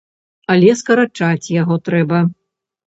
Але скарачаць яго трэба.